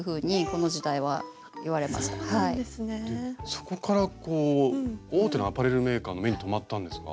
そこからこう大手のアパレルメーカーの目に留まったんですか？